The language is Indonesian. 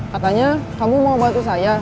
katanya kamu mau bantu saya